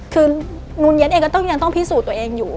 คือนูนเย็นเองก็ยังต้องพิสูจน์ตัวเองอยู่